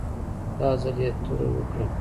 دا ځل یې توره وکړه.